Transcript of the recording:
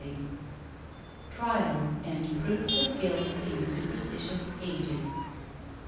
] TRIALS AND PROOFS OF GUILT IN SUPERSTITIOUS AGES.